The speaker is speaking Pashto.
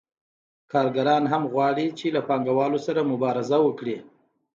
کارګران هم غواړي چې له پانګوالو سره مبارزه وکړي